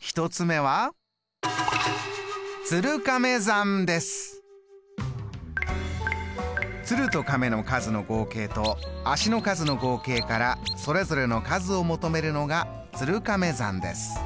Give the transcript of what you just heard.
１つ目は鶴と亀の数の合計と足の数の合計からそれぞれの数を求めるのが鶴亀算です。